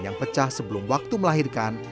yang pecah sebelum waktu melahirkan